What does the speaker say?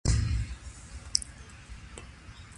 موږ ټول پورتني مطالب په لاندې ډول خلاصه کوو.